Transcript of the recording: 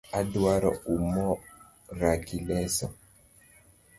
Aduaro umora gi leso